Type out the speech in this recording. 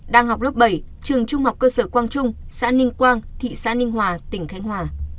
đang học lớp bảy trường trung học cơ sở quang trung xã ninh quang thị xã ninh hòa tỉnh khánh hòa